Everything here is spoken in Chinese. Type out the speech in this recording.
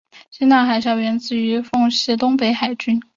青岛海校源自于奉系东北海军。